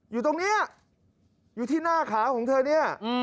อยู่ตรงนี้อยู่ที่หน้าขาของเธอเนี่ย